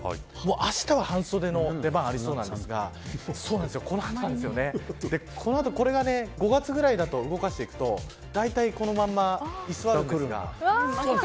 あしたは半袖の出番がありそうなんですがこの後これが５月くらいになると動かしていくとだいたいこのまま居座るんですが。